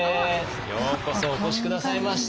ようこそお越し下さいました。